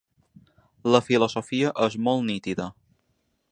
La filosofia és molt nítida.